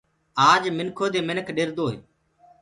آج منکو دي منک ڏردوئي